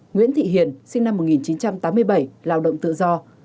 nguyễn thị hiền sinh năm một nghìn chín trăm tám mươi bảy lao động tự do